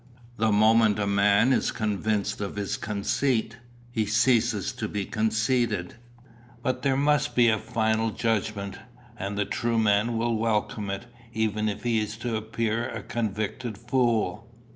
The moment a man is convinced of his conceit, he ceases to be conceited. But there must be a final judgment, and the true man will welcome it, even if he is to appear a convicted fool.